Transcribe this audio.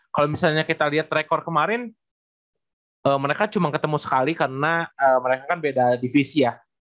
kalau misalnya kita lihat rekor kemarin mereka cuma ketemu sekali karena mereka kan beda divisi ya